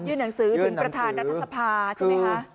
หนังสือถึงประธานรัฐสภาใช่ไหมคะ